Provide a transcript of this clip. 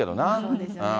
そうですよね。